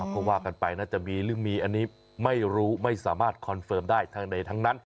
ก็ว่ากันไปน่าจะมีหรือมีอันนี้ไม่รู้ไม่สามารถคอนเฟิร์มได้ทั้งใดทั้งนั้น